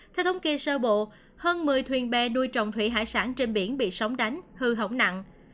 theo thống kê sơ bộ hơn một mươi thuyền bè nuôi trồng thủy hải sản trên biển bị sóng đánh hư hỏng nặng